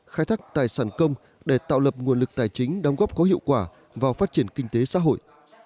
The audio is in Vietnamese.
khai thác tài sản công để tạo lập nguồn lực tài chính đóng góp có hiệu quả vào phát triển kinh tế xã hội